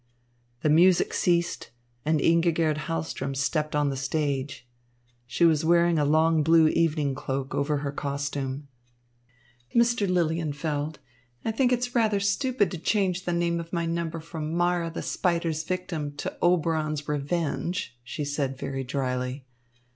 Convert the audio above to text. The music ceased, and Ingigerd Hahlström stepped on the stage. She was wearing a long blue evening cloak over her costume. "Mr. Lilienfeld, I think it is rather stupid to change the name of my number from 'Mara, the Spider's Victim' to 'Oberon's Revenge,'" she said very dryly.